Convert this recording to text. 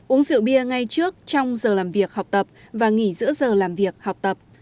uống rượu bia ngay trước trong giờ làm việc học tập và nghỉ giữa giờ làm việc học tập